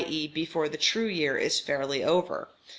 e._ before the true year is fairly over.